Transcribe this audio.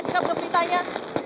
kita belum ditanya